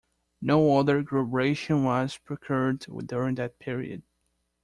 No other group ration was procured during that period.